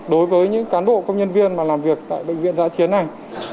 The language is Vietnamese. đối với những cán bộ công nhân viên mà làm việc tại bệnh viện giã chiến này